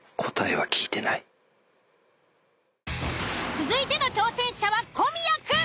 続いての挑戦者は小宮くん。